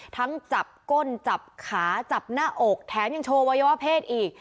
จับก้นจับขาจับหน้าอกแถมยังโชว์วัยวะเพศอีก